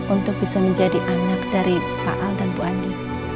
untuk bisa menjadi anak dari pak al dan bu andi